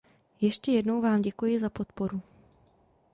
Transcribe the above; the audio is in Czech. Ještě jednou vám děkuji za podporu.